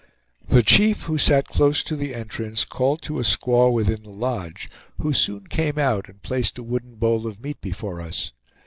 The chief, who sat close to the entrance, called to a squaw within the lodge, who soon came out and placed a wooden bowl of meat before us.